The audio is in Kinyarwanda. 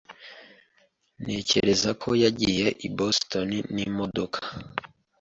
Ntekereza ko yagiye i Boston n'imodoka.